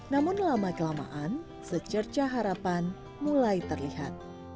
namun lama kelamaan secerca harapan mulai terlihat